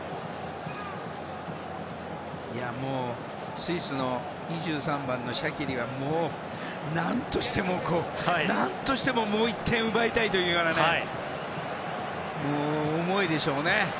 スイスの２３番のシャキリは何としてももう１点奪いたいというようなそういう思いでしょうね。